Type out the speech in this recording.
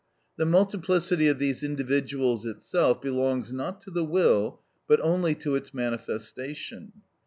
The multiplicity of these individuals itself belongs not to the will, but only to its manifestation.